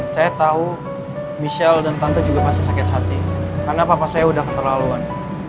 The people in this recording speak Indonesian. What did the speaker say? saya tahu michelle dan tante juga pasti sakit hati karena papa saya sudah keterlaluan